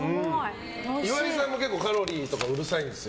岩井さんも結構カロリーとかうるさいんですよ。